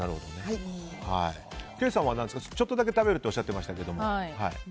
ケイさんは、ちょっとだけ食べるとおっしゃっていましたが。